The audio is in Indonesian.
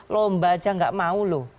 lomba aja gak mau loh